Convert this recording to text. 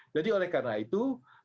jadi oleh karena itu